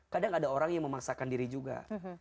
kadang ada orang yang memaksakan diri juga